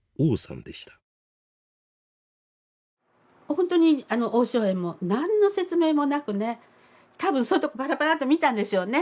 ほんとに王小燕も何の説明もなくね多分ばらばらっと見たんでしょうね。